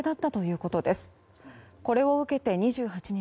これを受けて２８日